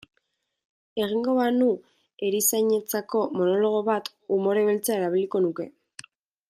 Egingo banu erizainentzako monologo bat, umore beltza erabiliko nuke.